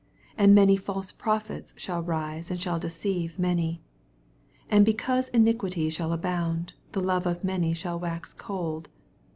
11 And many false prophets shaU rise, and shall deceive many. 12 And because iniquity shall a bound, the love of many shall wax cold.